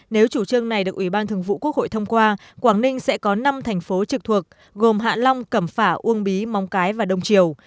nếu chủ trương này được ủy ban thường vụ quốc hội thông qua quảng ninh sẽ có năm thành phố trực thuộc gồm hạ long cẩm phả uông bí mong cái và đông triều